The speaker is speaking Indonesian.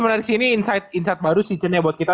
menarik sih ini insight baru seasonnya buat kita